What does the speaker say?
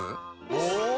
お！